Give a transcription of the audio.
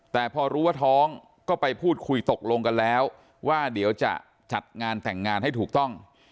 แต่พอรู้ว่าท้องก็ไปพูดคุยตกลงกันแล้วว่าเดี๋ยวจะจัดงานแต่งงานให้ถูกต้อง